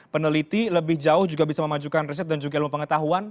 peneliti lebih jauh juga bisa memajukan riset dan juga ilmu pengetahuan